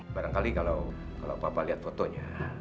barangkali kalau papa lihat fotonya